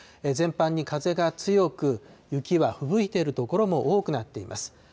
全般に風が強く、雪はふぶいている所も多くなっています。